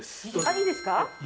いいですか？